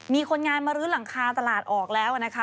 มีคนงานมารื้อหลังคาตลาดออกแล้วนะคะ